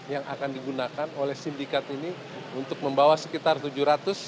yang akan digunakan oleh sindikat ini untuk membawa sekitar tujuh ratus lima puluh wni kita ke sihanoukville di kampungnya